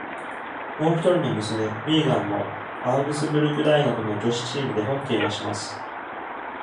もうひとりの娘、ミーガンもアウグスブルク大学の女子チームでホッケーをします。